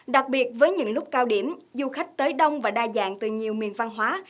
đặc biệt với những lúc cao điểm du khách tới đông và đa dạng từ nhiều miền văn hóa